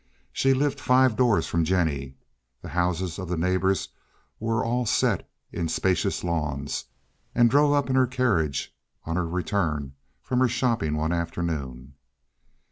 She lived five doors from Jennie—the houses of the neighborhood were all set in spacious lawns—and drove up in her carriage, on her return from her shopping, one afternoon.